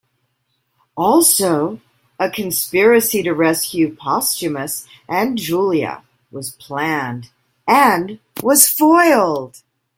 Also, a conspiracy to rescue Postumus and Julia was planned and was foiled.